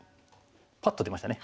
パッと出ましたね。